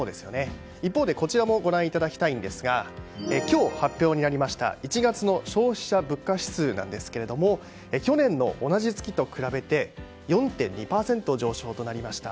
一方でこちらもご覧いただきたいんですが今日発表になりました１月の消費者物価指数なんですが去年の同じ月と比べて４．２％上昇となりました。